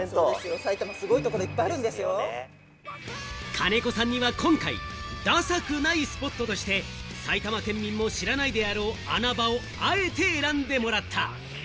金子さんには今回、ダサくないスポットとして埼玉県民も知らないであろう穴場をあえて選んでもらった。